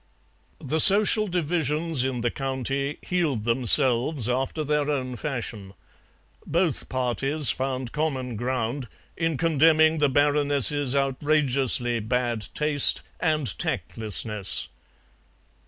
The social divisions in the County healed themselves after their own fashion; both parties found common ground in condemning the Baroness's outrageously bad taste and tactlessness.